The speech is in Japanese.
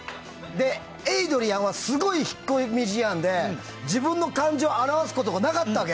で、エイドリアンはすごい引っ込み思案で自分の感情を表すことがなかったわけ。